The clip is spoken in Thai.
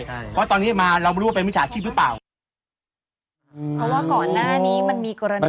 ใช่เพราะตอนนี้มาเราไม่รู้ว่าเป็นมิจฉาชีพหรือเปล่าอืมเพราะว่าก่อนหน้านี้มันมีกรณี